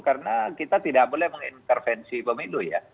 karena kita tidak boleh mengintervensi pemilu ya